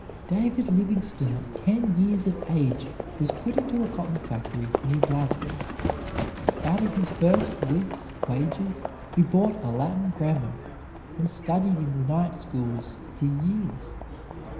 David Livingstone at ten years of age was put into a cotton factory near Glasgow. Out of his first week's wages he bought a Latin grammar, and studied in the night schools for years.